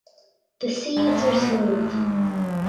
The seeds are smooth.